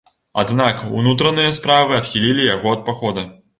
Аднак унутраныя справы адхілілі яго ад пахода.